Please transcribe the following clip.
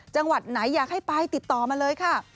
จังหวัดไหนอยากให้ไปติดต่อมาเลยค่ะ